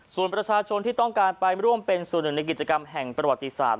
ส่วนประชาชนที่ต้องการไปร่วมเป็นส่วนหนึ่งในกิจกรรมแห่งประวัติศาสต